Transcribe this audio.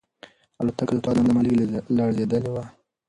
الوتکه د توند باد له امله لږه لړزېدلې وه.